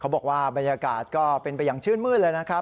บอกว่าบรรยากาศก็เป็นไปอย่างชื่นมืดเลยนะครับ